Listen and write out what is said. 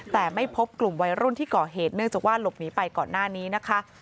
แต่ไม่พบกลุ่มวัยรุ่นที่ก่อเหตุเนื่องจากว่าหลบหนีไปก่อนหน้านี้นะคะ